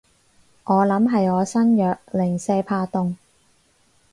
我諗係我身弱，零舍怕凍